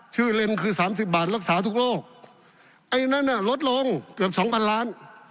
เล็มคือสามสิบบาทรักษาทุกโรคไอ้นั่นน่ะลดลงเกือบสองพันล้าน